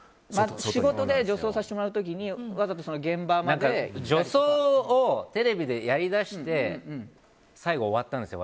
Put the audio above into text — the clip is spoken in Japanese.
仕事で女装させてもらう時に女装をテレビでやりだして最後、終わったんですよ